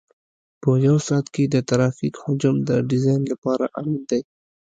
په یو ساعت کې د ترافیک حجم د ډیزاین لپاره اړین دی